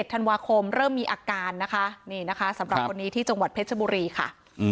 ธันวาคมเริ่มมีอาการนะคะนี่นะคะสำหรับคนนี้ที่จังหวัดเพชรบุรีค่ะ